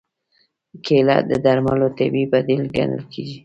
کېله د درملو طبیعي بدیل ګڼل کېږي.